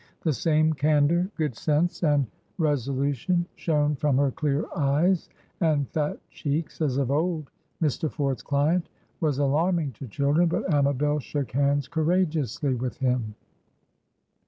The same candor, good sense, and resolution shone from her clear eyes and fat cheeks as of old. Mr. Ford's client was alarming to children, but Amabel shook hands courageously with him.